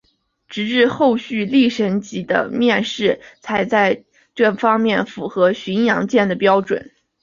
直至后续丽蝇级的面世才在这方面符合巡洋舰的标准。